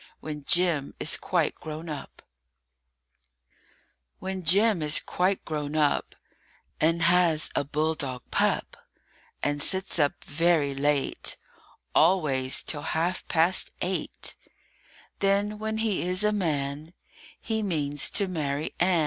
WHEN JIM IS QUITE GROWN UP WHEN Jim is quite grown up, And has a bulldog pup, And sits up very late Always till half past eight, Then, when he is a man, He means to marry Ann.